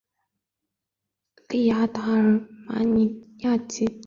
利阿达尔马尼亚克。